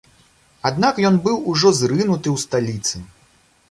Аднак ён быў ужо зрынуты ў сталіцы.